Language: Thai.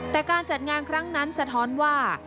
แต่การจัดงานครั้งนั้นสะท้อนว่า